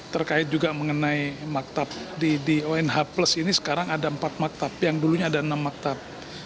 terkait juga mengenai maktab di onh plus ini sekarang ada empat maktab yang dulunya ada enam maktab